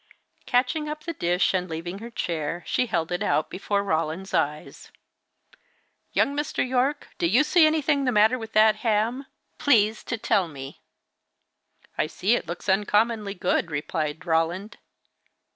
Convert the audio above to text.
Catching up the dish, and leaving her chair, she held it out before Roland's eyes. "Young Mr. Yorke, do you see anything the matter with that ham? Please to tell me." "I see that it looks uncommonly good," replied Roland.